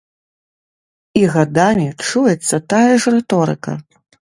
І гадамі чуецца тая ж рыторыка.